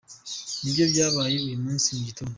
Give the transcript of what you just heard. Nibyo byabaye uyu munsi mu gitondo.